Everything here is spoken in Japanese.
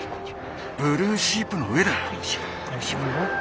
ブルーシープの上だ！